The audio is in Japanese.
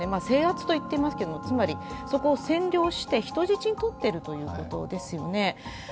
制圧と言っていますけれども、つまりそこを占領して人質にとっているということですよね。